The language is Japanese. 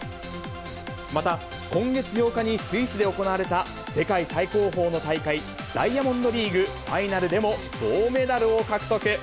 また、今月８日にスイスで行われた世界最高峰の大会、ダイヤモンドリーグファイナルでも、銅メダルを獲得。